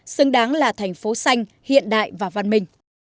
xứng đáng là thành phố xanh hiện đại và văn minh